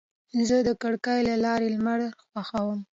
زه د کړکۍ له لارې لمر خوښوم.